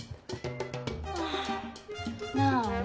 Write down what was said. ああなに？